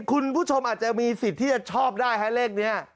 คุณผู้ชมอาจจะมีสิทธิ์ที่จะชอบได้ฮะเลขนี้